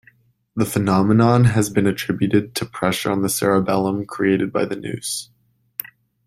The phenomenon has been attributed to pressure on the cerebellum created by the noose.